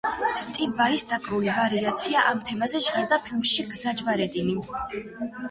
სტივ ვაის დაკრული ვარიაცია ამ თემაზე ჟღერდა ფილმში „გზაჯვარედინი“.